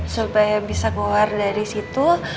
supaya bisa keluar dari situ